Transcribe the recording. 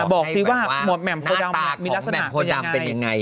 หน้าตากของแหม่มโพดัมเป็นยังไง